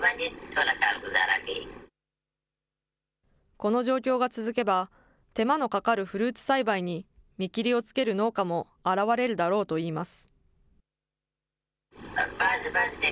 この状況が続けば、手間のかかるフルーツ栽培に見切りをつける農家も現れるだろうといいます。